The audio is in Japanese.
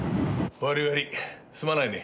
悪い悪いすまないね。